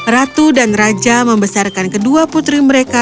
ratu dan raja membesarkan kedua putri mereka